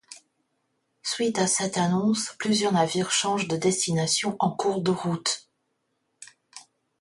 Suite à cette annonce, plusieurs navires changent de destination en cours de route.